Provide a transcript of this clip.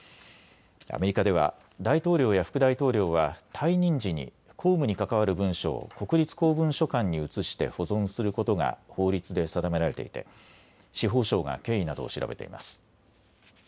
アメリカでは大統領や副大統領は退任時に公務に関わる文書を国立公文書館に移して保存することが法律で定められていて司法省が経緯などを調べています。